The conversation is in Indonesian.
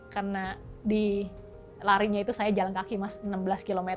karena di larinya itu saya jalan kaki mas enam belas km